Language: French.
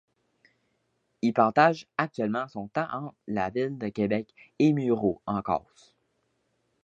Il partage actuellement son temps entre la ville de Québec et Muro, en Corse.